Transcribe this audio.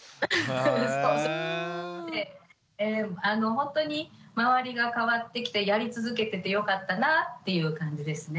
ほんとに周りが変わってきてやり続けててよかったなっていう感じですね。